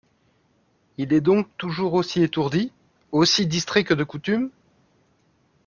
Il est donc toujours aussi étourdi, aussi distrait que de coutume ?